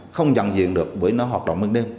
không nhận diện được với nó hoạt động bên đêm